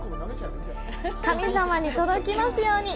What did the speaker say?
神様に届きますように！